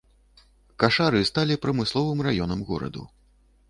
Кашары сталі прамысловым раёнам гораду.